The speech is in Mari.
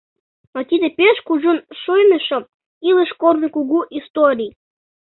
Но тиде пеш кужун шуйнышо илыш корно, кугу историй.